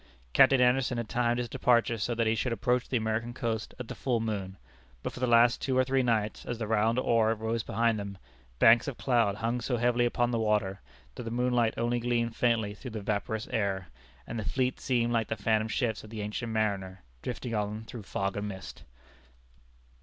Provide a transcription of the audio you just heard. Captain Anderson had timed his departure so that he should approach the American coast at the full moon; but for the last two or three nights, as the round orb rose behind them, banks of cloud hung so heavily upon the water, that the moonlight only gleamed faintly through the vaporous air, and the fleet seemed like the phantom ships of the Ancient Mariner, drifting on through fog and mist.